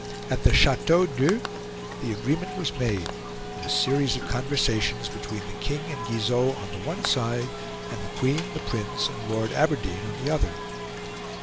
At the Chateau d'Eu, the agreement was made, in a series of conversations between the King and Guizot on the one side, and the Queen, the Prince, and Lord Aberdeen on the other.